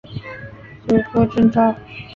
祖父郑肇。